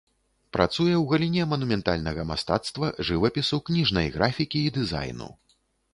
Працуе ў галіне манументальнага мастацтва, жывапісу, кніжнай графікі і дызайну.